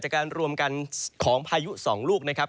การรวมกันของพายุ๒ลูกนะครับ